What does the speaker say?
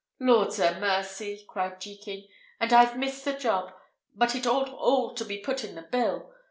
"Lord 'a mercy!" cried Jekin, "and I've missed the job! but it ought all to be put in the bill.